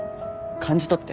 感じ取って。